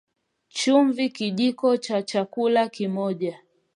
Chumvi Kijiko cha chakula moja